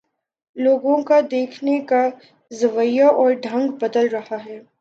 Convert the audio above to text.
لوگوں کا دیکھنے کا زاویہ اور ڈھنگ بدل رہا ہے۔